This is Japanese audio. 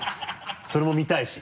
それも見たいし。